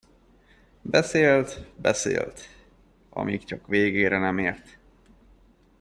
Beszélt, beszélt, amíg csak végére nem ért.